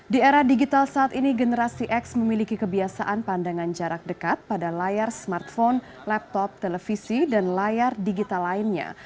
di era digital saat ini generasi x memiliki kebiasaan pandangan jarak dekat pada layar smartphone laptop televisi dan layar digital lainnya